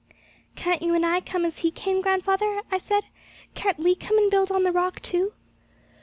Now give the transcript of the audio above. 'Can't you and I come as he came, grandfather?' I said. 'Can't we come and build on the Rock, too?'